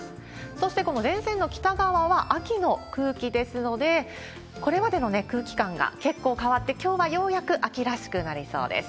そしてこの前線の北側は秋の空気ですので、これまでの空気感が結構変わって、きょうはようやく秋らしくなりそうです。